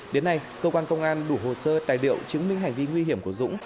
đến nay cơ quan công an đủ hồ sơ tài liệu chứng minh hành vi nguy hiểm của dũng